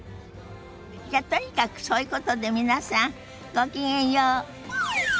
じゃとにかくそういうことで皆さんごきげんよう。